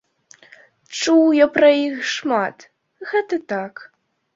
Чуў я пра іх шмат, гэта так.